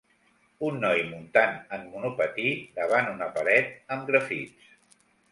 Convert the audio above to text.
Un noi muntant en monopatí davant una paret amb grafits